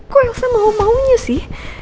kok elsa mau maunya sih